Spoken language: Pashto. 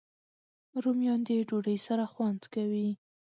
رومیان د ډوډۍ سره خوند کوي